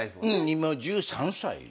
今１３歳。